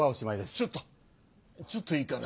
ちょっとちょっといいかな。